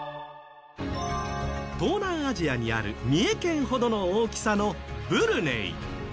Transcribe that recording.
東南アジアにある三重県ほどの大きさのブルネイ。